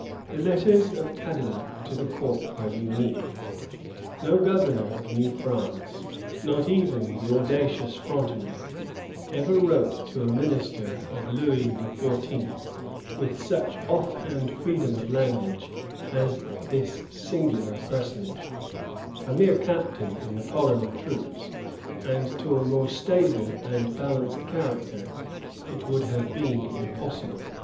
" The letters of Cadillac to the court are unique. No governor of New France, not even the audacious Frontenac, ever wrote to a minister of Louis XIV. with such off hand freedom of language as this singular personage, a mere captain in the colony troops; and to a more stable and balanced character it would have been impossible.